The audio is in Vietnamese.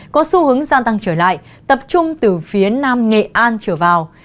có xu hướng gia tăng trở lại tập trung từ phía nam nghệ an trở vào